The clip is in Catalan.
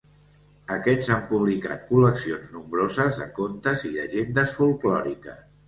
Aquests han publicat col·leccions nombroses de contes i llegendes folklòriques.